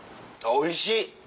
おいしい！